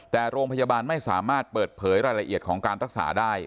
แต่โรงพยาบาลไม่สามารถเปิดเผยรายละเอียดของการรักษาได้